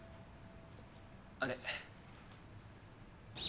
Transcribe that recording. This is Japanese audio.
あれ？